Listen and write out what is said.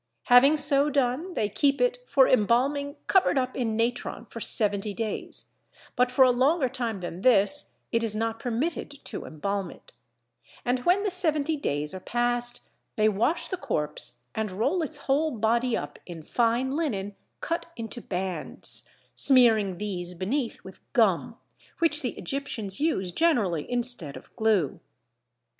Having so done they keep it for embalming covered up in natron for seventy days, but for a longer time than this it is not permitted to embalm it; and when the seventy days are past, they wash the corpse and roll its whole body up in fine linen cut into bands, smearing these beneath with gum, which the Egyptians use generally instead of glue.